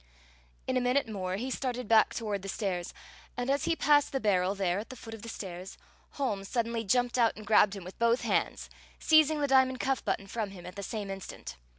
In a minute more he started back toward the stairs, and as he passed the barrel there at the foot of the stairs, Holmes suddenly jumped out and grabbed him with both hands, seizing the diamond cuff button from him at the same instant.